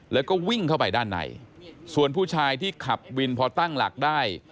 แล้วก็วิ่งเข้าไปด้านในส่วนผู้ชายที่ขับวินพอตั้งหลักได้